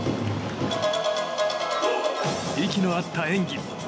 息の合った演技。